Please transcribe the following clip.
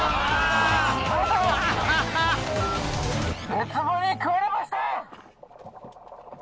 ウツボに食われました！